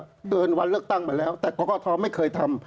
มันเกินวันเลือกตั้งมาแล้วแต่กรกฐไม่เคยทำ